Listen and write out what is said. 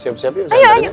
siap siap ya sama sama